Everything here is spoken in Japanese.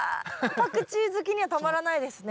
パクチー好きにはたまらないですね。